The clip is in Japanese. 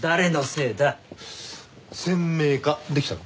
鮮明化できたの？